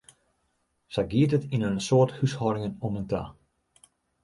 Sa gie it yn in soad húshâldingen om en ta.